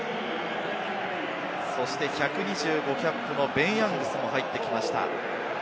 そして１２５キャップのベン・ヤングスも入ってきました。